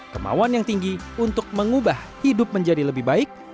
kemauan yang tinggi untuk mengubah hidup menjadi lebih baik